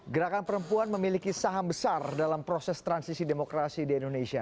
gerakan perempuan memiliki saham besar dalam proses transisi demokrasi di indonesia